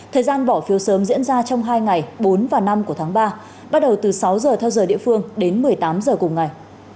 thời gian bỏ phiếu sớm diễn ra trong hai ngày bốn và năm của tháng ba bắt đầu từ sáu giờ theo giờ địa phương đến một mươi tám h cùng ngày